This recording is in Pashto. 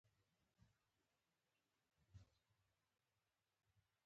د هر ډول ظلم ختمولو لپاره راغلی و